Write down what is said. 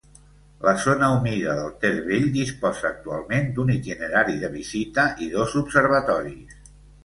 La zona humida del Ter vell disposa actualment d'un itinerari de visita i dos observatoris.